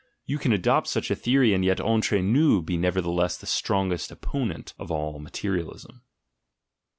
You can adopt such a theory, and yet entre nous be nevertheless the strongest opponent of all materialism.